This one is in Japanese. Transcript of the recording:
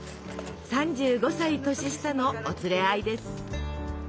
３５歳年下のお連れ合いです。